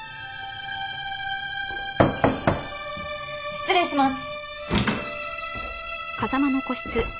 失礼します！